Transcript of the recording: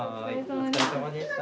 お疲れさまでした。